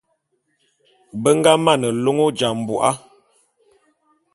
Be nga mane lôn Ojambô'a.